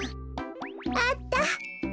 あった。